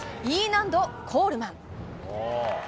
Ｅ難度、コールマン。